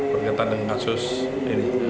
berkaitan dengan kasus ini